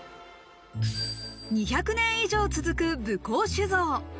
２００年以上続く武甲酒造。